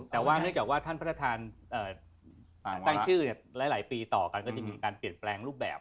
แต่ว่าเนื่องจากว่าท่านพระทานตั้งชื่อหลายปีต่อกันก็จะมีการเปลี่ยนแปลงรูปแบบ